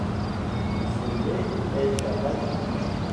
Le sommet est à d'altitude.